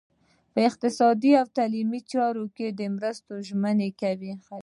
په اقتصادي او تعلیمي چارو کې د مرستو ژمنې کولې.